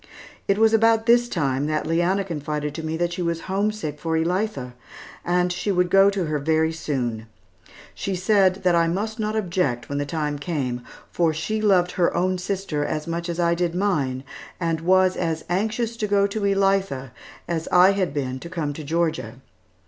It was about this time, that Leanna confided to me that she was homesick for Elitha, and she would go to her very soon. She said that I must not object when the time came, for she loved her own sister just as much as I did mine, and was as anxious to go to Elitha as I had been to come to Georgia.